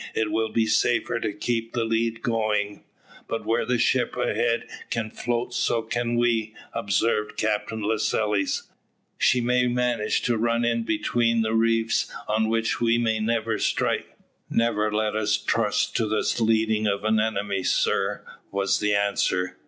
"It will be safer to keep the lead going." "But where the ship ahead can float so can we," observed Captain Lascelles. "She may manage to run in between reefs on which we may strike. Never let us trust to the leading of an enemy, sir," was the answer.